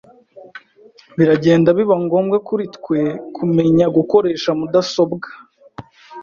Biragenda biba ngombwa kuri twe kumenya gukoresha mudasobwa.